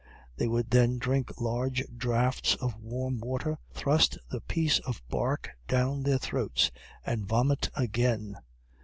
They would then drink large draughts of warm water, thrust the piece of bark down their throats and vomit again.